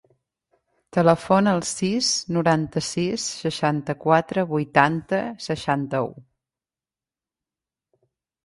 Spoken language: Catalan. Telefona al sis, noranta-sis, seixanta-quatre, vuitanta, seixanta-u.